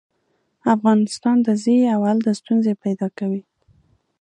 افغانستان ته ځي او هلته ستونزې پیدا کوي.